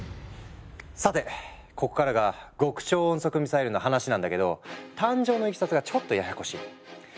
さてここからが極超音速ミサイルの話なんだけど誕生のいきさつがちょっとややこしい。